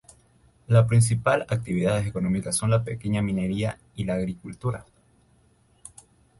La principal actividades económicas son la pequeña minería y la agricultura.